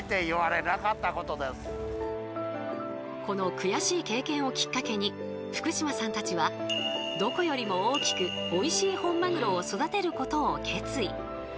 この悔しい経験をきっかけに福島さんたちはどこよりも大きくおいしい本マグロを育てることを決意。